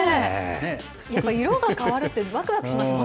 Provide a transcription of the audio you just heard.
やっぱ色が変わるってわくわくします。